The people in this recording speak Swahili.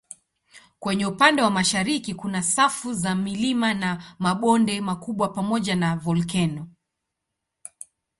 Kwenye upande wa mashariki kuna safu za milima na mabonde makubwa pamoja na volkeno.